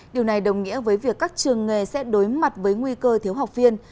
điều này đồng nghĩa với việc các trường nghề sẽ đối mặt với nguy cơ thiếu học viên